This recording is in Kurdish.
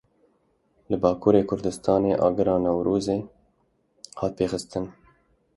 Li Bakurê Kurdistanê agirê Newrozê hat pêxistin.